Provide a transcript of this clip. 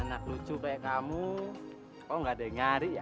anak lucu kayak kamu kok nggak dengar ya